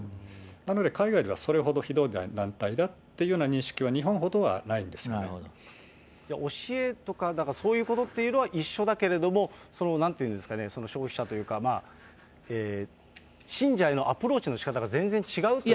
なので、海外ではそれほどひどい団体だという認識は日本ほどはないんです教えとかそういうことっていうのは一緒だけれども、なんていうんですかね、消費者というか、信者へのアプローチのしかたが全然違うと。